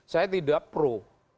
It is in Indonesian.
saya tidak pro